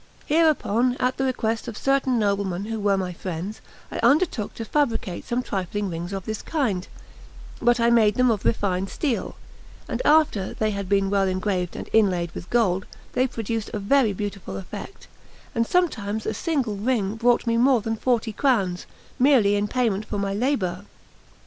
Hereupon, at the request of certain noblemen who were my friends, I undertook to fabricate some trifling rings of this kind; but I made them of refined steel; and after they had been well engraved and inlaid with gold, they produced a very beautiful effect; and sometimes a single ring brought me more than forty crowns, merely in payment for my labour.